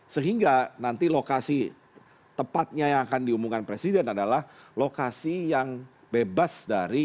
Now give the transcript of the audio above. sehingga nanti lokasi tepatnya yang akan diumumkan presiden adalah lokasi yang bebas dari